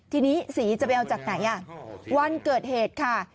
ทีนี้สีจะไปเอาจากไหนวันเกิดเหตุค่ะ